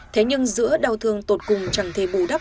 thế nhưng giữa đau thương tột cùng chẳng thể bù đắp